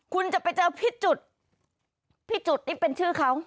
คุณจะไปเจอพี่จุดพี่จุดนี่เป็นชื่อเขา